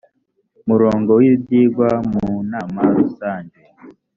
murong w ibyigwa mu nama rusange